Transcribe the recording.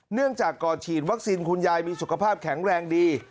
เนื่องจากก่อนฉีดวัคซีนคุณยายมีสุขภาพแข็งแรงดี